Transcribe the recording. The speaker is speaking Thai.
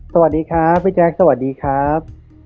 สวัสดีครับพี่แจ๊คสวัสดีครับ